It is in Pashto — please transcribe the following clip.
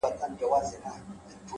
ستا د خولې سا؛